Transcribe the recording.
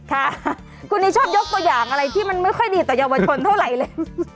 ค่ะคุณนี่ชอบยกตัวอย่างอะไรที่มันไม่ค่อยดีต่อเยาวชนเท่าไหร่เลย